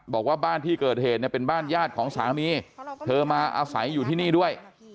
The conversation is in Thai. บอกว่าบ้านที่เกิดเหตุเนี่ยเป็นบ้านญาติของสามีเธอมาอาศัยอยู่ที่นี่ด้วย